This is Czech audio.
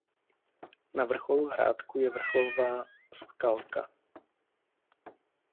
Na vrcholu Hrádku je vrcholová skalka.